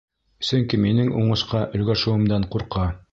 Сөнки минең уңышҡа өлгәшеүемдән ҡурҡа.